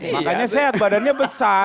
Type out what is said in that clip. makanya sehat badannya besar